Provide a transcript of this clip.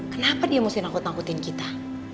kenapa dia mesti nakut nakutin kita